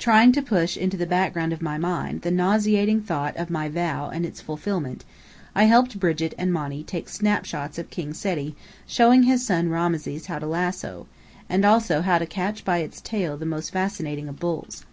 Trying to push into the background of my mind the nauseating thought of my vow and its fulfillment, I helped Brigit and Monny take snapshots of King Seti showing his son Rameses how to lasso, and also to catch by its tail the most fascinating of bulls.